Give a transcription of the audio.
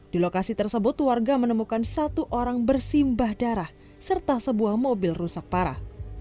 di lokasi tersebut warga menemukan satu orang bersimbah darah serta sebuah mobil rusak parah